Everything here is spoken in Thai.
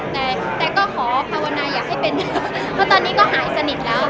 แต่แต่ก็ขอภาวนาอยากให้เป็นเพราะตอนนี้ก็หายสนิทแล้ว